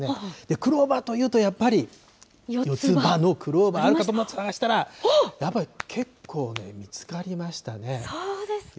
クローバーというと、やっぱり四つ葉のクローバーあるかと思って探したら、やっぱり結そうですか。